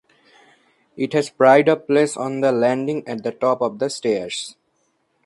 It has pride of place on the landing at the top of the stairs.